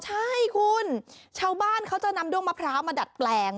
ใช่คุณชาวบ้านเขาจะนำด้วงมะพร้าวมาดัดแปลง